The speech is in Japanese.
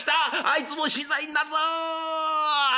あいつも死罪になるぞ」。